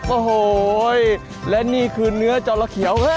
โอ้โหและนี่คือเนื้อจอละเขียว